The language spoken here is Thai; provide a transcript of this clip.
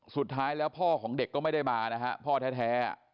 สุดท้ายแล้วพ่อของเด็กก็ไม่ได้มานะฮะพ่อแท้